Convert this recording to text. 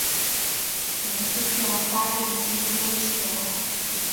明斯克发电机冰球俱乐部是一支位于白俄罗斯明斯克的冰球队。